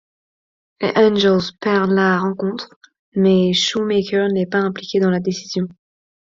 Les Angels perdent la rencontre mais Shoemaker n'est pas impliqué dans la décision.